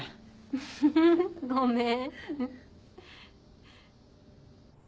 ウフフごめん。